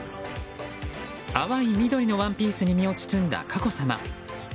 淡い緑のワンピースに身を包んだ佳子さま。